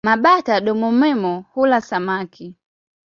Mabata-domomeno hula samaki.